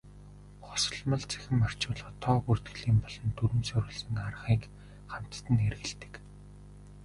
Хосолмол цахим орчуулгад тоо бүртгэлийн болон дүрэм суурилсан аргыг хамтад нь хэрэглэдэг.